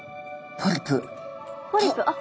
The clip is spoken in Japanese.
ポリプあっ！